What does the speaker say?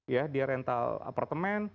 ya dia rental apartemen